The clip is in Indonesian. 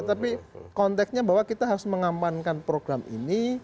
tapi konteknya bahwa kita harus mengamankan program ini